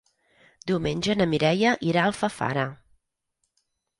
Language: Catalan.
Diumenge na Mireia irà a Alfafara.